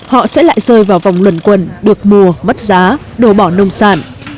họ sẽ lại rơi vào vòng luận quần được mua mất giá đổ bỏ nông sản